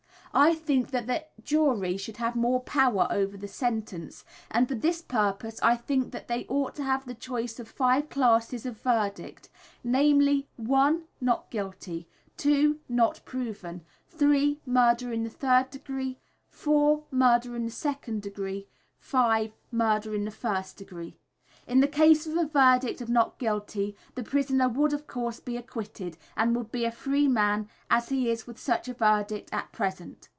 I think that the jury should have more power over the sentence, and for this purpose I think that they ought to have the choice of five classes of verdict, namely: 1. Not guilty. 2. Not proven. 3. Murder in the third degree. 4. Murder in the second degree. 5. Murder in the first degree. In the case of a verdict of "Not Guilty" the prisoner would, of course, be acquitted, and would be a free man as he is with such a verdict at present.